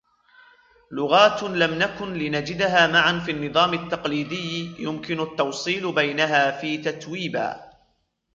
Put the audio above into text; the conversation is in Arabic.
لغاتٌ لم نكن لنجدها معًا في النظام التقليدي يمكن التوصيل بينها في تتويبا.